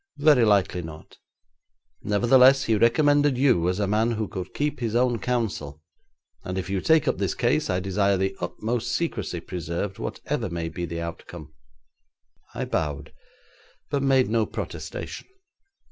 'Very likely not. Nevertheless, he recommended you as a man who could keep his own counsel, and if you take up this case I desire the utmost secrecy preserved, whatever may be the outcome.' I bowed, but made no protestation.